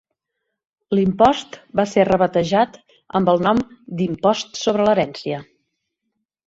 L'impost va ser rebatejat amb el nom d'Impost sobre l'herència.